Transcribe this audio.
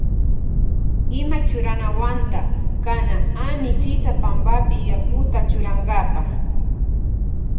Ima churanawanta kana Ana sisa pampapi yakuta churankapa.